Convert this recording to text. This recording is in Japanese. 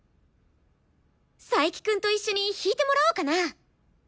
佐伯くんと一緒に弾いてもらおうかな！